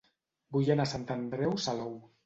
Vull anar a Sant Andreu Salou